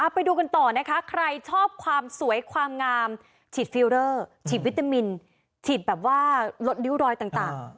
ไปดูกันต่อนะคะใครชอบความสวยความงามฉีดฟิลเลอร์ฉีดวิตามินฉีดแบบว่าลดริ้วรอยต่าง